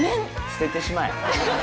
捨ててしまえ。